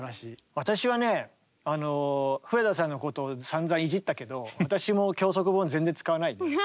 私はね笛田さんのことをさんざんいじったけど私も教則本は全然使わないね。